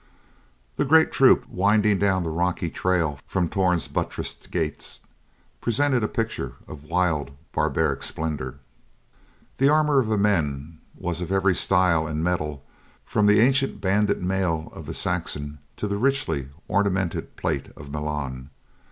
The great troop, winding down the rocky trail from Torn's buttressed gates, presented a picture of wild barbaric splendor. The armor of the men was of every style and metal from the ancient banded mail of the Saxon to the richly ornamented plate armor of Milan.